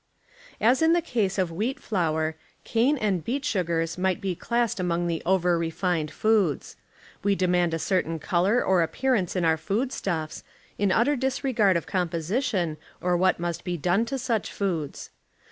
As in the case of wheat flour, cane and beet sugars might be classed among the over refined foods. We demand a certain color or appearance in our food stuflfs, in utter disregard of „ composition or what must be done to such foods.